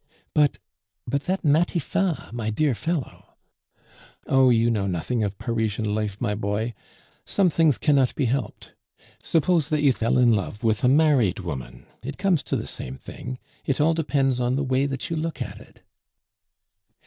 "But but that Matifat, my dear fellow " "Oh! you know nothing of Parisian life, my boy. Some things cannot be helped. Suppose that you fell in love with a married woman, it comes to the same thing. It all depends on the way that you look at it."